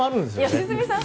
良純さん